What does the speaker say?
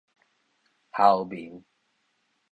候眠